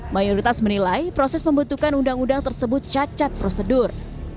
mayoritas menilai proses pembentukan undang undang tersebut cacat prosedur